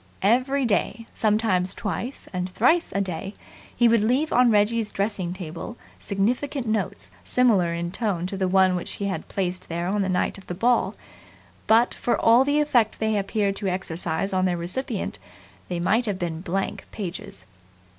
Every day, sometimes twice and thrice a day, he would leave on Reggie's dressing table significant notes similar in tone to the one which he had placed there on the night of the ball; but, for all the effect they appeared to exercise on their recipient, they might have been blank pages.